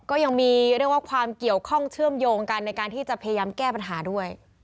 ก็ยังมีเรียกว่าความเกี่ยวข้องเชื่อมโยงกันในการที่จะพยายามแก้ปัญหาด้วย